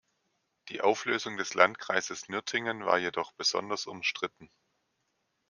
Die Auflösung des Landkreises Nürtingen war jedoch besonders umstritten.